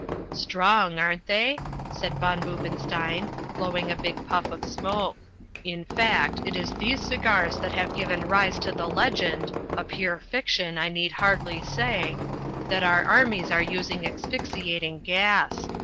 "Strong, aren't they?" said von Boobenstein, blowing a big puff of smoke. "In fact, it is these cigars that have given rise to the legend (a pure fiction, I need hardly say) that our armies are using asphyxiating gas.